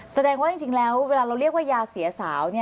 แสดงว่าจริงแล้วเวลาเราเรียกว่ายาเสียสาว